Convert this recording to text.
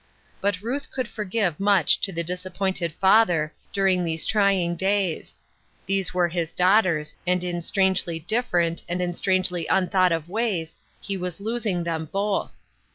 But Ruth could for give much to the disappointed father during these trying days ; these were his daughters, and in strangely different, and in strangely unthought of ways he was losing them both.